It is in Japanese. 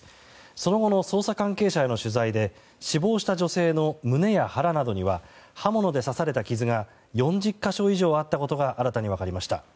その後の捜査関係者への取材で死亡した女性の胸や腹などには刃物で刺された傷が４０か所以上あったことが新たに分かりました。